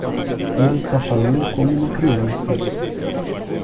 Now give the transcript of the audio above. Ele está falando como uma criança.